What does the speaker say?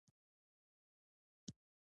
اورنګزیب عالمګیر وروستی لوی مغول و.